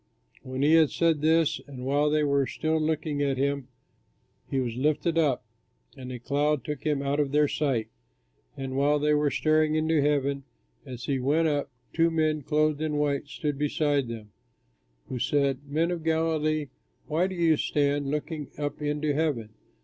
When he had said this and while they were still looking at him, he was lifted up, and a cloud took him out of their sight. And while they were staring into heaven, as he went up, two men clothed in white stood beside them, who said, "Men of Galilee, why do you stand looking up into heaven?